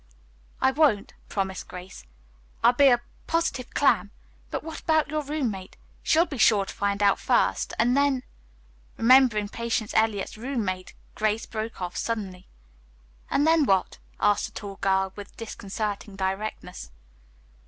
"I won't," promised Grace. "I'll be a positive clam. But what about your roommate? She will be sure to find out first, and then " Remembering Patience Eliot's roommate Grace broke off suddenly. "And then what?" asked the tall girl with disconcerting directness.